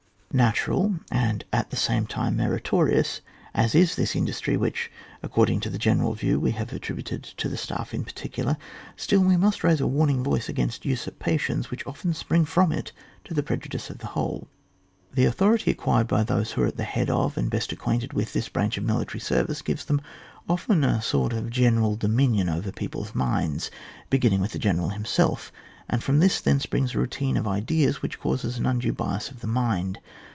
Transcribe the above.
Natural, and at the same time merito rious, as is this industry which, ac cording to the general view, we have attributed to the staff in particular, still we must raise a warning voice against usurpations which often spring from it to the prejudice of the whole. The authority acquired by those who are at the head of, and best acquainted with, this branch of military service, gives then often a sort of general dominion over people's minds, beginning with the general himself, and from t£js then springs a routine of ideas which causes an undue bias of the mind.